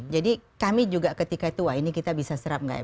jadi kami juga ketika itu wah ini kita bisa serap nggak